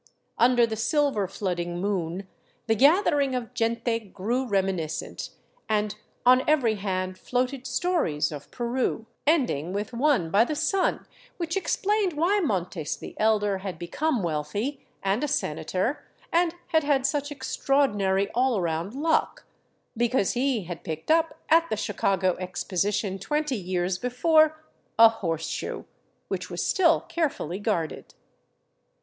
Under the silver flooding moon the gathering of (jente grew reminiscent, and on every hand floated stories of Peru, ending with one by the son which explained why Montes the elder had I become wealthy and a Senator and had had such extraordinary all around luck — because he had picked up at the Chicago Exposition twenty years before a horseshoe, which was still carefully guarded.